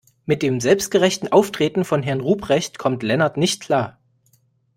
Mit dem selbstgerechten Auftreten von Herrn Ruprecht kommt Lennart nicht klar.